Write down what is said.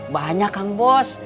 banyak kang bos